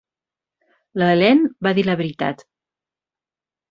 La Helene va dir la veritat.